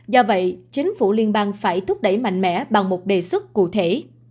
do vậy chính phủ liên bang phải thúc đẩy mạnh mẽ bằng một đề xuất cụ thể